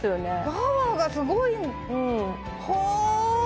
パワーがすごいほ！